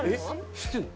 「知ってんの？」